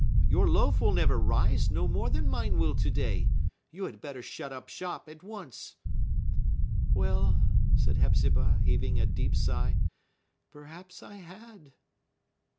Your loaf will never rise, no more than mine will to day. You had better shut up shop at once." "Well," said Hepzibah, heaving a deep sigh, "perhaps I had!"